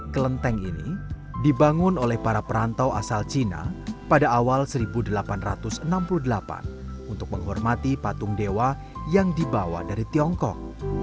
kelenteng ini dibangun oleh para perantau asal cina pada awal seribu delapan ratus enam puluh delapan untuk menghormati patung dewa yang dibawa dari tiongkok